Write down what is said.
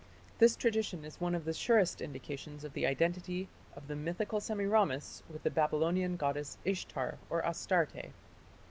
This tradition is one of the surest indications of the identity of the mythical Semiramis with the Babylonian goddess Ishtar or Astarte."